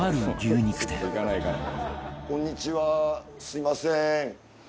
すみません。